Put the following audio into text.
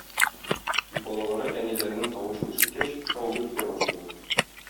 Балалары әниләренең тавышын ишеткәч, шау-гөр килә башлыйлар.